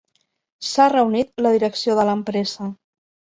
S'ha reunit la direcció de l'empresa.